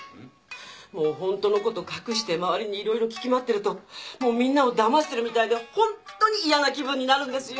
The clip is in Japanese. もうほんとのこと隠して周りにいろいろ聞き回ってるともうみんなをだましてるみたいでほんとに嫌な気分になるんですよ